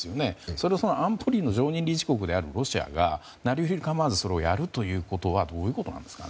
それを安保理の常務理事国であるロシアがなりふり構わずそれをやるのはどういうことなんですか。